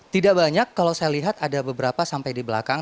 tidak banyak kalau saya lihat ada beberapa sampai di belakang